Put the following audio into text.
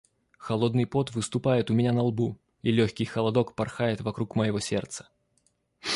Холодный пот выступает у меня на лбу, и легкий холодок порхает вокруг моего сердца.